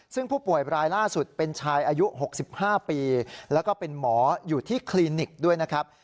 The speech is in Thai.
ซึ่งผู้ป่วยรายล่าสุดเป็นชายอายุ๖๕ปีแล้วก็เป็นหมออยู่ที่คลินิกด้วยนะครับ